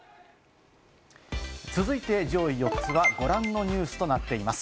続いて上位４つはご覧のニュースとなっています。